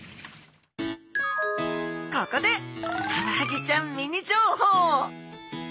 ここでカワハギちゃんミニ情報。